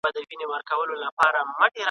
ستا خو په خزان پسي بهار دی بیا به نه وینو!.